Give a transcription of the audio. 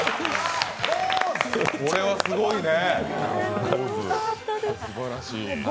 これはすごいね。